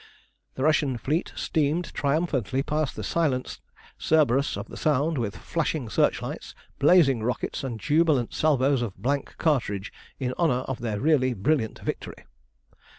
The Russian fleet steamed triumphantly past the silenced Cerberus of the Sound with flashing searchlights, blazing rockets, and jubilant salvos of blank cartridge in honour of their really brilliant victory.